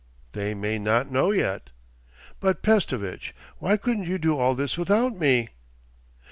'They may not know yet.' 'But, Pestovitch, why couldn't you do all this without me?